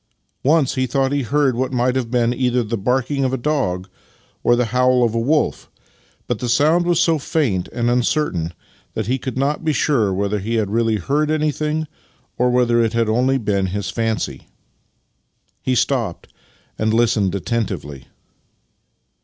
Once he thought he heard what might have been either the barking of a dog or the howl of a wolf, but che sound was so faint and uncertain that he could not be sure whether he had really heard anything or whether it had been only his fancy. He stopped and listened attentively.